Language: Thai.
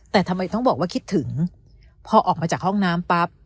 แต่ทำไมต้องบอกว่าคิดถึงพอออกมาจากห้องน้ำปั๊บ